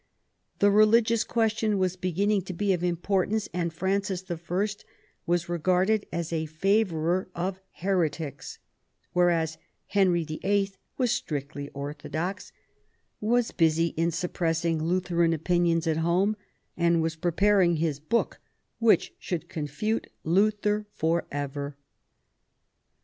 The religious question was beginning to be of import ance, and Francis I was regarded as a favourer of heretics, whereas Henry VIIL was strictly orthodox, was busy in suppressing Lutheran opinions at home, and was preparing his book which should confute Luther for ever.